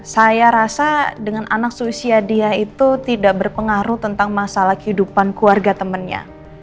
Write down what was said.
saya rasa dengan anak seusia dia itu tidak berpengaruh tentang masalah kehidupan keluarga temannya